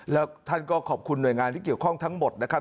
แล้วท่านก็ขอบคุณหน่วยงานที่เกี่ยวข้องทั้งหมดนะครับ